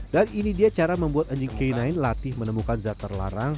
dan ini dia cara membuat anjing k sembilan latih menemukan zat terlarang